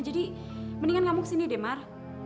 jadi mendingan kamu kesini deh mar